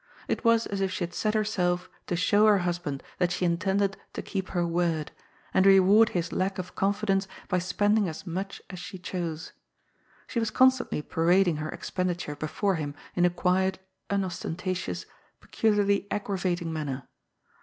It was as if she had set herself to show her husband that she intended to keep her word, and reward his lack of confi dence by spending as much as she chose. She was con stantly parading her expenditure before him in a quiet, un ostentatious, peculiarly aggravating manner.